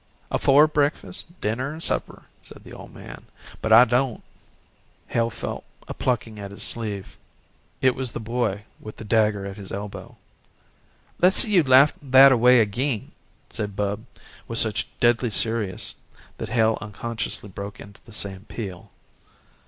"Afore breakfast, dinner and supper," said the old man "but I don't." Hale felt a plucking at his sleeve. It was the boy with the dagger at his elbow. "Less see you laugh that a way agin," said Bub with such deadly seriousness that Hale unconsciously broke into the same peal.